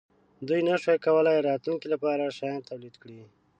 دوی نشوای کولای راتلونکې لپاره شیان تولید کړي.